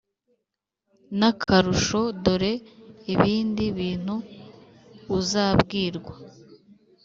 N akarusho dore ibindi bintu uzabwirwa